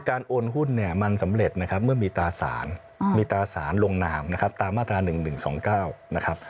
การโอนหุ้นมันสำเร็จเมื่อมีตราสารมีตราสารลงหนามตามมาตรา๑๑๒๙